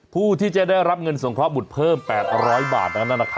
ผู้ที่จะได้รับเงินสงเคราะหมุดเพิ่ม๘๐๐บาทนั้น